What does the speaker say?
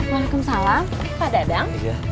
waalaikumsalam pak dadang